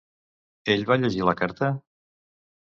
Ell va llegir la carta?